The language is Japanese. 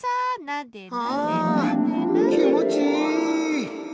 はぁきもちいい。